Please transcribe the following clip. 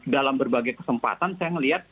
dalam berbagai kesempatan saya melihat